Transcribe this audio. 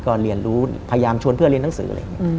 ก็เรียนรู้พยายามชวนเพื่อนเรียนหนังสือ